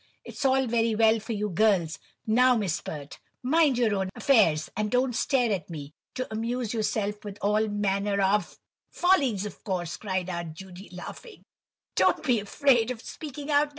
It's all very well for you girls—now, Miss Pert, mind your own affairs, and don't stare at me!—to amuse yourself with all manner of—" "Follies, of course," cried Aunt Judy, laughing, "don't be afraid of speaking out, No.